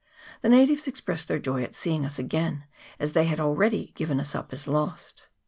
The natives ex pressed their joy at seeing us again, as they had already given us up as lost.